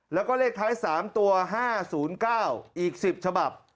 แล้วก็เลขท้าย๓ตัว๕๐๙อีก๑๐ฉบับ